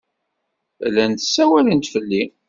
Llant ssawalent fell-i.